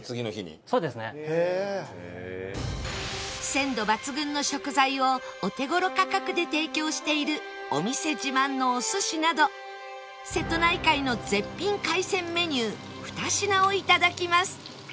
鮮度抜群の食材をお手頃価格で提供しているお店自慢のお寿司など瀬戸内海の絶品海鮮メニュー２品を頂きます